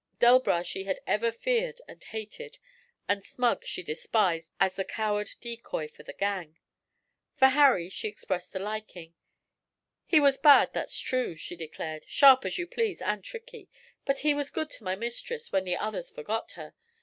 Delbras she had ever feared and hated, and Smug she despised as the coward decoy of the gang. For Harry she expressed a liking. 'He was bad, that's true,' she declared; 'sharp as you please and tricky; but he was good to my mistress when the others forgot her.